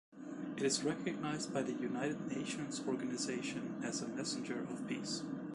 It is recognized by the United Nations Organization as a messenger of peace.